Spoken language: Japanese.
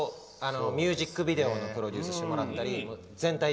ミュージックビデオのプロデュースをしてもらったり。